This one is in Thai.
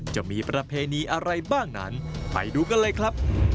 จะมีประเพณีอะไรบ้างนั้นไปดูกันเลยครับ